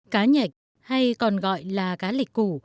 cá nhạch hay còn gọi là cá lịch củ